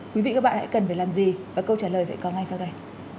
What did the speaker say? quý vị các bạn lại cần phải làm gì và câu trả lời sẽ có ngay sau đây